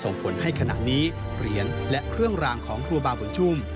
ส่งผลให้ขณะนี้เหรียญและเครื่องรางของครูบาบุญชุ่ม